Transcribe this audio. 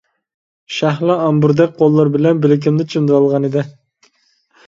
شەھلا ئامبۇردەك قوللىرى بىلەن بىلىكىمنى چىمدىۋالغان ئىدى.